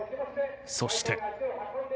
そして。